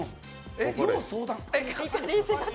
え、要相談？